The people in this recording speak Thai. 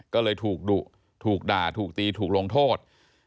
ก็เลยถูกดุถูกด่าถูกตีถูกลงโทษ